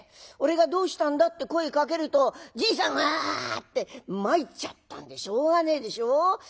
俺がどうしたんだって声かけるとじいさんがうあって参っちゃったんでしょうがねえでしょう。